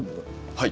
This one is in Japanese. はい。